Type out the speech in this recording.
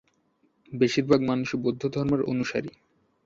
বেশিরভাগ মানুষই বৌদ্ধধর্মের অনুসারী।